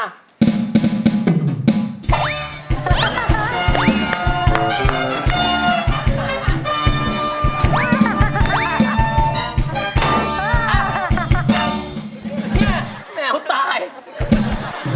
เหี้ยแมวตายแมวตาย